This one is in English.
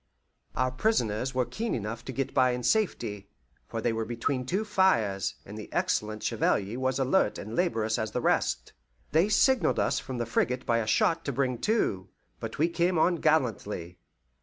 Our prisoners were keen enough to get by in safety, for they were between two fires, and the excellent Chevalier was as alert and laborious as the rest. They signalled us from the frigate by a shot to bring to, but we came on gallantly.